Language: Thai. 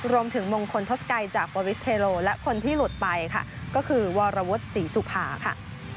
รวมถึงมงคลทศกัยจากโอริสเทโลและคนที่หลุดไปค่ะก็คือวรวุฒิศรีสุภาค่ะ